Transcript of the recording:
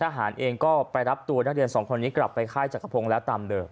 ทหารเองก็ไปรับตัวนักเรียนสองคนนี้กลับไปค่ายจักรพงศ์แล้วตามเดิม